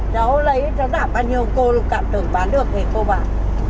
cháu lấy cháu đảm bao nhiêu cô cạm thưởng bán được thì cô bán